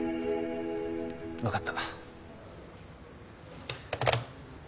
わかった。